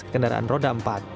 ke kendaraan roda empat